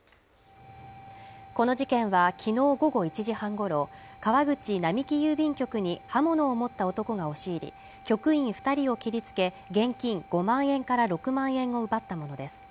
この事件は昨日午後１時半ごろ川口並木郵便局に刃物を持った男が押し入り局員二人を切りつけ現金５万円から６万円を奪ったものです